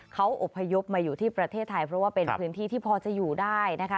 เขาอบพยพมาอยู่ที่ประเทศไทยเพราะว่าเป็นพื้นที่ที่พอจะอยู่ได้นะคะ